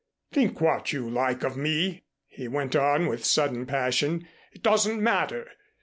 Think what you like of me," he went on with sudden passion. "It doesn't matter.